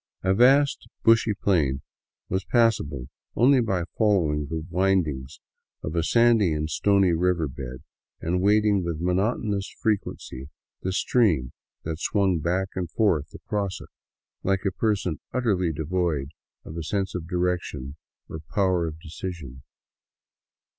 A vast, bushy plain was passable only by following the vv^indings of a sandy and stony river bed, and wading with monotonous frequency the stream that swuilg back and forth across it, like a person utterly 240 THE WILDS OF NORTHERN PERU devoid of a sense of direction or power of decision.